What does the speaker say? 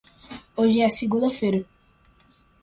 Hoje é segunda-feira.